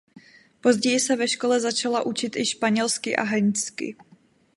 Později se ve škole začala učit i španělsky a hindsky.